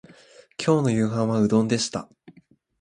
今日の夕飯はうどんでした